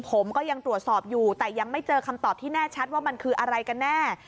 ผมก็ยังตรวจสอบอยู่แต่ยังไม่เจอคำตอบที่แน่ชัดว่ามันคืออะไรกันแน่